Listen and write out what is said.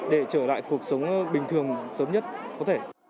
để trở lại cuộc sống bình thường sớm nhất có thể